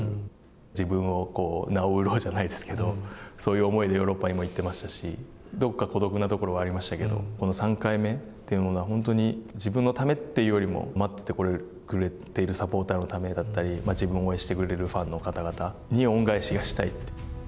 自分の名を売ろうじゃないですけど、そういう思いでヨーロッパにも行っていましたし、どっか孤独なところはありましたけど、３回目というものは、本当に自分のためというよりも、待っててくれているサポーターのためだったり、自分を応援してくれるファンの方々に恩返しがしたいと。